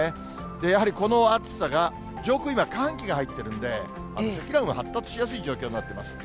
やはりこの暑さが、上空、今、寒気が入ってるんで、積乱雲が発達しやすい状況になっています。